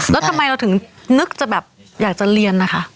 แล้วทำไมเราถึงนึกจะแบบอยากจะเรียนนะคะ